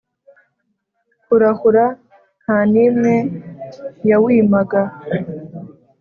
kurahura nta n imwe yawimaga